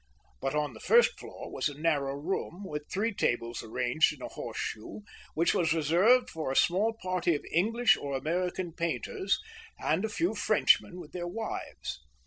But on the first floor was a narrow room, with three tables arranged in a horse shoe, which was reserved for a small party of English or American painters and a few Frenchmen with their wives.